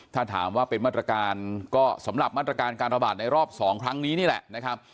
ถ้าถามว่าเป็นมาตรการก็สำหรับมาตรการการระบาดในรอบ๒ครั้งนี้นี่แหละนะครับ